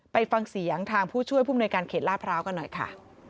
ไปฟังเสียงทางผู้ช่วยผู้มนวยการเขตลาดพร้าวกันหน่อยค่ะ